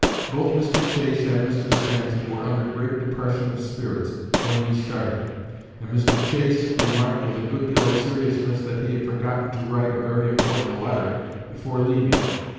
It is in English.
Both Mr. Chase and Mr. Stanton were under great depression of spirits when we started, and Mr. Chase remarked with a good deal of seriousness that he had forgotten to write a very important letter before leaving.